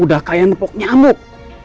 udah kayak nepok nyamuk